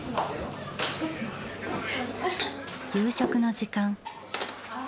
夕食の時間。